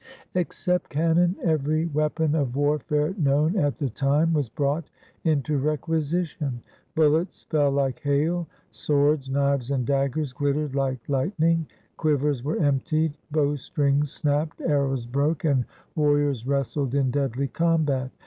Except cannon every weapon of warfare known at the time was brought into requisition. Bullets fell like hail ; swords, knives, and daggers glittered like lightning, quivers were emptied, bow strings snapped, arrows broke, and warriors wrestled in deadly combat.